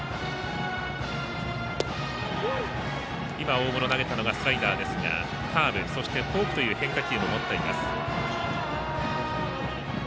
大室が投げたのがスライダーですがカーブ、フォークという変化球も持っています。